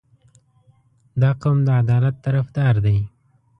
• دا قوم د عدالت طرفدار دی.